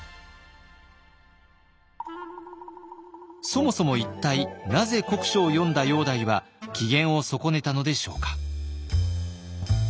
そもそも一体なぜ国書を読んだ煬帝は機嫌を損ねたのでしょうか。